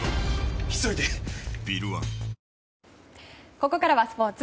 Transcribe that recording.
ここからはスポーツ。